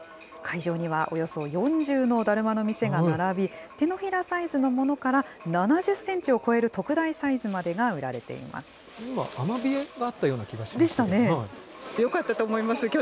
会場にはおよそ４０のだるまの店が並び、手のひらサイズのものから、７０センチを超える特大サイズまでが売られています。